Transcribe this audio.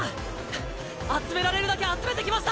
はぁ集められるだけ集めてきました！